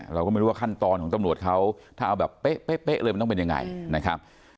เราก็ไม่รู้ว่าขั้นตอนของตำรวจเขาถ้าเอาแบบเป๊ะเลยมันต้องเป็นยังไงนะครับ